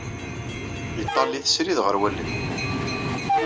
Yeṭall-it srid ɣer wallen.